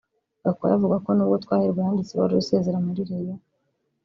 Gakwaya avuga ko nubwo Twahirwa yanditse ibaruwa isezera muri Rayon